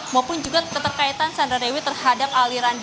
maupun juga keterkaitan sandra dewi terhadap aliran